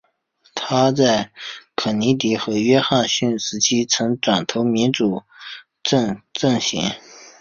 她在肯尼迪和约翰逊时期曾转投民主党阵型。